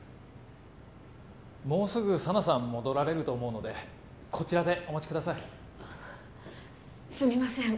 もうすぐ佐奈さん戻られると思うのでこちらでお待ちくださいすみません